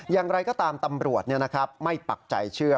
อย่างไรก็ตามตำรวจเนี่ยนะครับไม่ปักใจเชื่อ